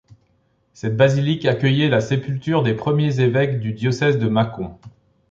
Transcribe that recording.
Cette basilique accueillait les sépultures des premiers évêques du diocèse de Mâcon.